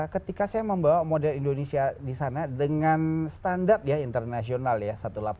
ketika saya membawa model indonesia di sana dengan standar ya internasional ya satu ratus delapan puluh satu